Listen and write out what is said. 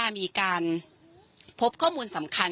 มีการพบข้อมูลสำคัญ